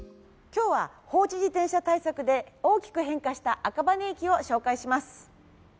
今日は放置自転車対策で大きく変化した赤羽駅を紹介します。